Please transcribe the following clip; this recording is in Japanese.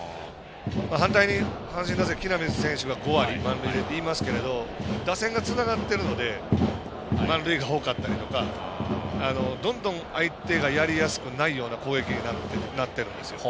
反対に阪神打線、木浪選手が５割満塁っていいますけど打線がつながっているので満塁が多かったりとかどんどん、相手がやりやすくないような攻撃になっているんですよ。